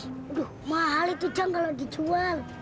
aduh mahal itu jangan lagi jual